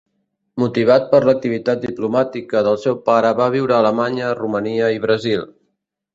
Motivat per l'activitat diplomàtica del seu pare va viure a Alemanya, Romania i Brasil.